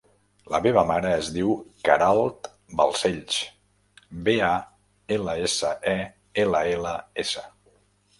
La meva mare es diu Queralt Balsells: be, a, ela, essa, e, ela, ela, essa.